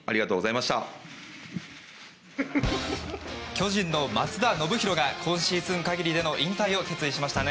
巨人の松田宣浩が今シーズン限りでの引退を決意しましたね